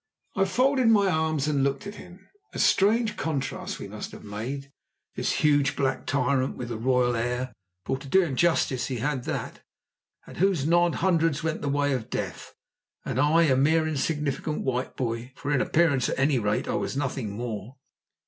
I folded my arms and looked at him. A strange contrast we must have made, this huge, black tyrant with the royal air, for to do him justice he had that, at whose nod hundreds went the way of death, and I, a mere insignificant white boy, for in appearance, at any rate, I was nothing more.